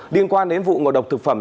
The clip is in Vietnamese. liên quan đến vụ ngộ độc thực phẩm